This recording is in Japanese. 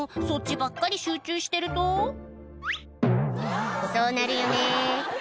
そっちばっかり集中してるとそうなるよね